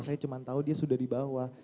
saya cuma tahu dia sudah di bawah